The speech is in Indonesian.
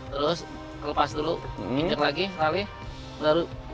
terus lepas dulu minjek lagi lalu